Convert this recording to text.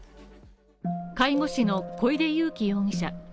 介護士の小出遊輝容疑者。